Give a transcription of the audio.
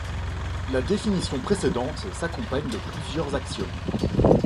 La définition précédente s'accompagne de plusieurs axiomes.